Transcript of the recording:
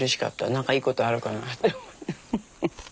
何かいいことあるかなと思って。